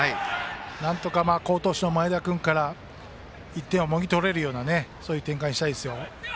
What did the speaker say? なんとか好投手の前田君から１点をもぎ取れるような展開にしたいです。